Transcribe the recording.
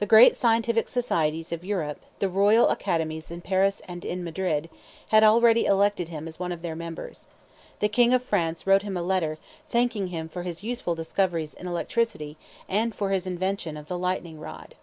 The great scientific societies of Europe, the Royal Academies in Paris and in Madrid, had already elected him as one of their members. The King of France wrote him a letter, thanking him for his useful discoveries in electricity, and for his invention of the lightning rod.